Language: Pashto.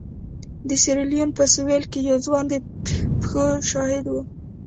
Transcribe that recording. د سیریلیون په سوېل کې یو ځوان د پېښو شاهد و.